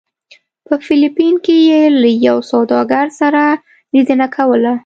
په فلپین کې یې له یو سوداګر سره لیدنه کوله.